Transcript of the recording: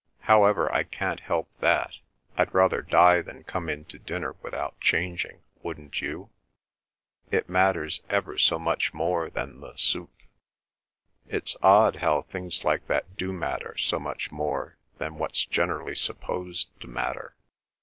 However, I can't help that; I'd rather die than come in to dinner without changing—wouldn't you? It matters ever so much more than the soup. (It's odd how things like that do matter so much more than what's generally supposed to matter.